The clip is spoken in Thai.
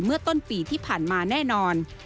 เมื่อต้นปีที่ผ่านมาแน่นอน